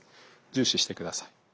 重視して下さい。